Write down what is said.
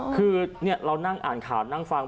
คือเรานั่งอ่านข่าวนั่งฟัง